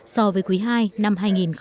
so với quý ii năm hai nghìn một mươi tám